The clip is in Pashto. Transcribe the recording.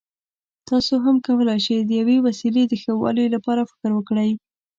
تاسو هم کولای شئ د یوې وسیلې د ښه والي لپاره فکر وکړئ.